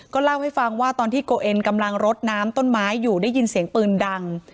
เล่าให้ฟังว่าตอนที่โกเอ็นกำลังรดน้ำต้นไม้อยู่ได้ยินเสียงปืนดัง